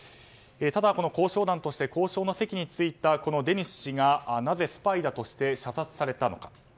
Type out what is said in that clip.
ただ、この交渉団として交渉の席に着いたこのデニス氏がなぜスパイだとして射殺されたのか。